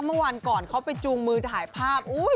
เมื่อวันก่อนเขาไปจูงมือถ่ายภาพ